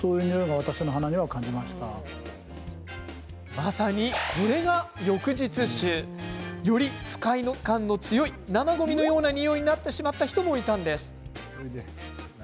まさに、これが翌日臭。より不快感の強い生ごみのようなにおいになってしまった人もいたのです。